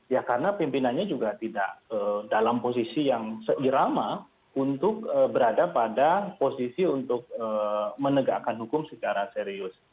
ya karena pimpinannya juga tidak dalam posisi yang seirama untuk berada pada posisi untuk menegakkan hukum secara serius